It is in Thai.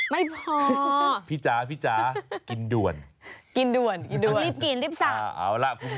ไม่พอพี่จ๋าพี่จ๋ากินด่วนกินด่วนกินด่วนรีบกินรีบสั่ง